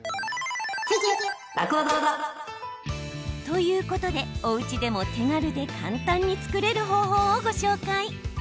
ということでおうちでも手軽で簡単に作れる方法をご紹介。